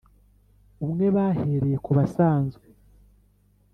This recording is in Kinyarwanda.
umwe bahereye kubasanzwe